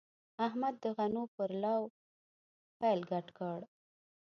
احمد د غنو پر لو پیل ګډ کړ.